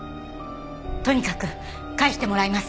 とにかく返してもらいます。